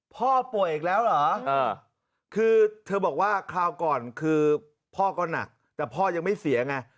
พ่อป่วยอีกแล้วเหรอคือเธอบอกว่าคราวก่อนคือพ่อก็หนักแต่พ่อยังไม่เสียไง